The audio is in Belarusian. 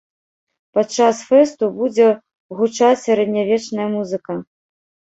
Падчас фэсту будзе гучаць сярэднявечная музыка.